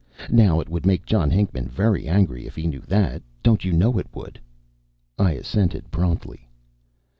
Now, it would make John Hinckman very angry if he knew that. Don't you know it would?" I assented promptly.